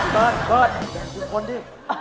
เบิร์ตแบ่งทุกคนดิ